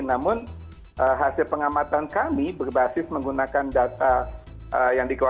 namun hasil pengamatan kami berbasis menggunakan data yang dikeluarkan